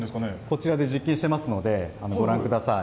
こちらで実験してますのでご覧ください。